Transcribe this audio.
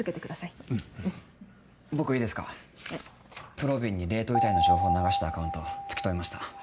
ぷろびんに冷凍遺体の情報を流したアカウント突き止めました。